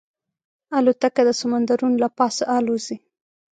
الوتکه د سمندرونو له پاسه الوزي.